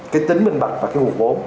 cái tính minh bạch và cái nguồn vốn